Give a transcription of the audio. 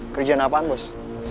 kerjaan apaan bos